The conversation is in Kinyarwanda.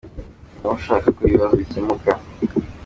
Ni wowe ushaka ko ibibazo bikemuka.